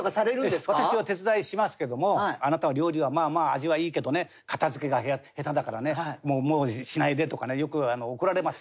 私は手伝いしますけども「あなたは料理はまあまあ味はいいけどね片付けが下手だからねもうしないで」とかねよく怒られますよ。